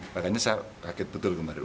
makanya saya kaget betul kemarin